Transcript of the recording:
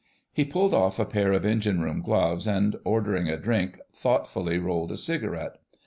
He pulled off a pair of engine room gloves, and, ordering a drink, thoughtfully rolled a cigarette.